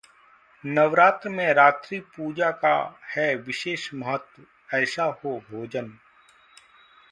नवरात्र में रात्रि पूजा का है विशेष महत्व, ऐसा हो भोजन...